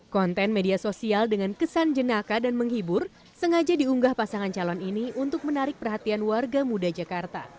konten media sosial dengan kesan jenaka dan menghibur sengaja diunggah pasangan calon ini untuk menarik perhatian warga muda jakarta